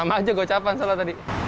sama aja gue capan salah tadi